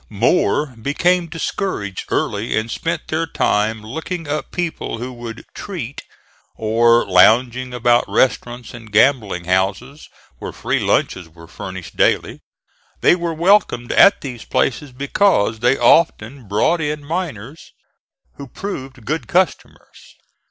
More became discouraged early and spent their time looking up people who would "treat," or lounging about restaurants and gambling houses where free lunches were furnished daily. They were welcomed at these places because they often brought in miners who proved good customers.